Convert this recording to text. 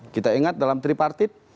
kita ingat dalam tripartit